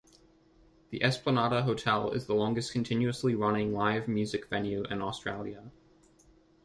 The Esplanade Hotel is the longest continuously running live music venue in Australia.